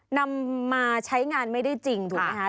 นำมาใช้งานไม่ได้จริงถูกไหมคะ